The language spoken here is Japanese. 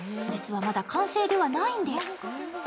実はまだ完成ではないんです。